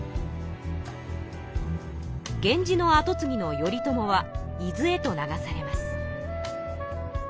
源氏のあとつぎの頼朝は伊豆へと流されます。